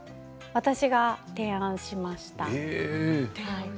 私が提案しました。